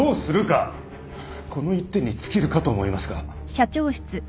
この一点に尽きるかと思いますが。